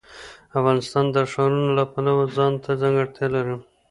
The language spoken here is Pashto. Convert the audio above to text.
افغانستان د ښارونه د پلوه ځانته ځانګړتیا لري.